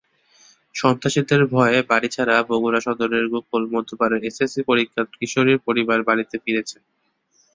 সন্ত্রাসীদের ভয়ে বাড়িছাড়া বগুড়া সদরের গোকুল মধ্যপাড়ার এসএসসি পরীক্ষার্থী কিশোরীর পরিবার বাড়িতে ফিরেছে।